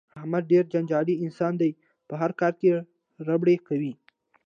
احمد ډېر جنجالي انسان دی په هر کار کې ربړې کوي.